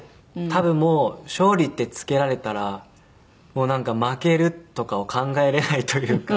多分もう勝利って付けられたらもうなんか負けるとかを考えれないというか。